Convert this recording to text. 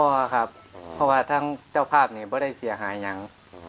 เพราะว่าทั้งเจ้าภาพเนี่ยไม่ได้เสียหายอย่าง